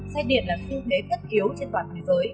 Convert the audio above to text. xe điện là xu thế tất yếu trên toàn thế giới